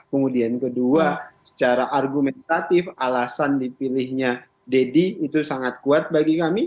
kemudian kedua secara argumentatif alasan dipilihnya deddy itu sangat kuat bagi kami